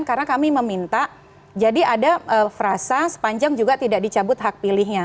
karena kami meminta jadi ada frasa sepanjang juga tidak dicabut hak pilihnya